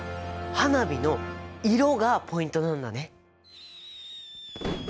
花火の色がポイントなんだね。